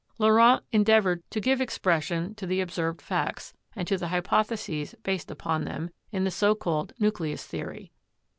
Laurent endeavored to give expression to the observed facts, and to the hypotheses based upon them, in the so called nucleus theory.